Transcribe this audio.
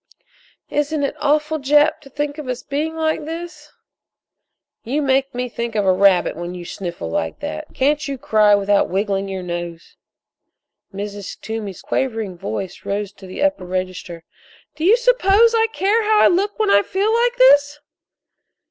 "Isn't it awful, Jap, to think of us being like this?" "You make me think of a rabbit when you sniffle like that. Can't you cry without wiggling your nose?" Mrs. Toomey's quavering voice rose to the upper register: "Do you suppose I care how I look when I feel like this?"